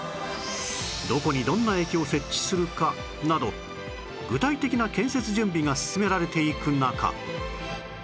どこにどんな駅を設置するかなど具体的な建設準備が進められていく中